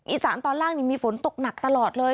อีสานตอนล่างมีฝนตกหนักตลอดเลย